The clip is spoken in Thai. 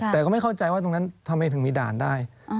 แต่ก็ไม่เข้าใจว่าตรงนั้นทำไมถึงมีด่านได้